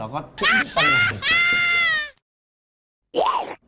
อ้าวลองหน่อย